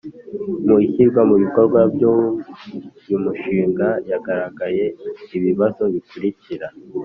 Mu ishyirwa mu bikorwa by uyu mushinga hagaragaye ibibazo bikurikira